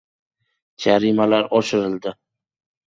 Jarimalar oshirildi